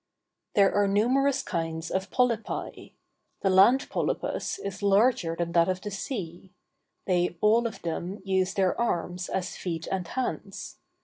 There are numerous kinds of polypi. The land polypus is larger than that of the sea; they all of them use their arms as feet and hands.